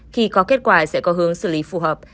khi có kết quả sẽ có hướng xử lý phù hợp